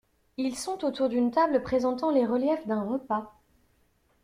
Ils sont autour d’une table présentant les reliefs d’un repas.